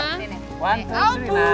nah gitu tuh lempar